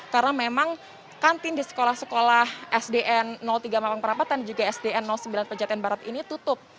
karena memang kantin di sekolah sekolah sdn tiga makang perapatan dan juga sdn sembilan pejatan barat ini tutup